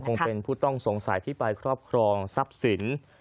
คงเป็นผู้ต้องสงสัยที่ไปครอบครองทรัพย์สิน